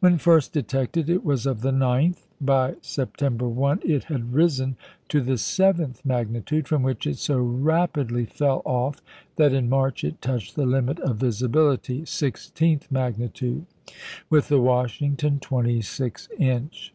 When first detected, it was of the ninth, by September 1 it had risen to the seventh magnitude, from which it so rapidly fell off that in March it touched the limit of visibility (sixteenth magnitude) with the Washington 26 inch.